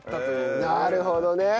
なるほどね。